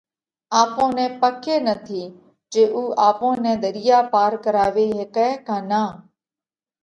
آپون نئہ پڪ ئي نٿِي جي اُو آپون نئہ ۮريا پار ڪراوي هيڪئه ڪا نان؟